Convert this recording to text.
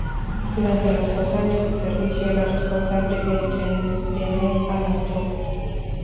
Durante los dos años de servicio era responsable de entretener a las tropas.